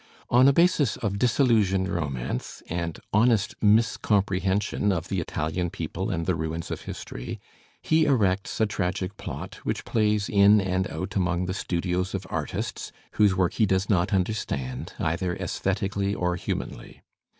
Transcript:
On a basis of disillusioned romance and honest miscomprehension of the ItaUan people and the ruins of history, he erects a tragic plot which plays in and out among the studios of artists, whose work he does not imderstand either aesthetically or humanly.